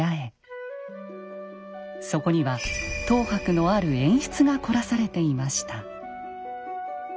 そこには等伯のある演出が凝らされていました。